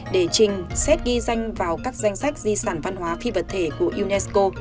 để trình xét ghi danh vào các danh sách di sản văn hóa phi vật thể của unesco